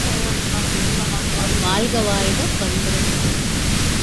வாழ்க வாழ்க பண்புடன் வாழ்க!